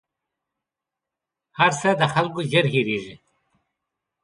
هر څه د خلکو ژر هېرېـږي